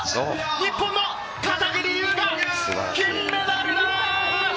日本の片桐悠が金メダルだ！